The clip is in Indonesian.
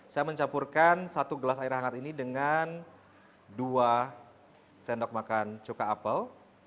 saya mencampurkan satu gelas air hangat ini dengan dua sendok makan cuka apel